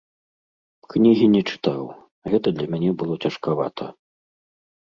Кнігі не чытаў, гэта для мяне было цяжкавата.